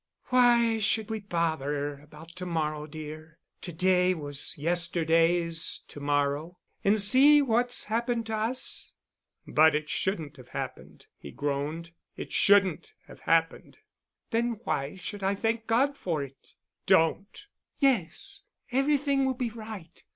"Why should we bother about to morrow, dear? To day was yesterday's to morrow and see what's happened to us." "But it shouldn't have happened," he groaned, "it shouldn't have happened." "Then why should I thank God for it——?" "Don't——" "Yes. Everything will be right.